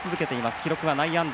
記録は内野安打。